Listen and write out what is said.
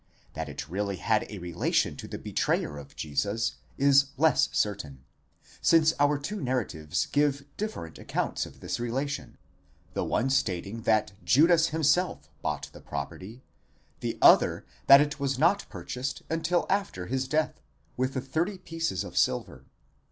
That it really had a relation to the betrayer of Jesus is less certain, since our two narratives give different accounts of this relation: the one stating that Judas himself bought the property, the other that it was not purchased until after his death, with the thirty pieces of silver.